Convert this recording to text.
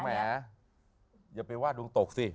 แหมอย่าไปว่าดวงตกสิ